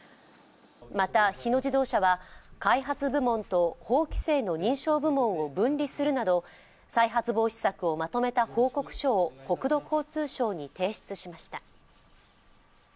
また、日野自動車は、開発部門と法規制の認証部門を分離するなど再発防止策をまとめた報告書を国土交通省に提出しました。